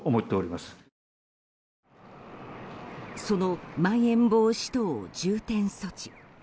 その、まん延防止等重点措置。